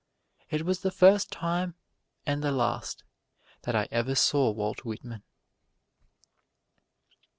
It was the first time and the last that I ever saw Walt Whitman.